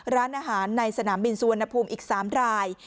ร้านอาหารในสนามบินสุวรรณภูมิอีก๓ราย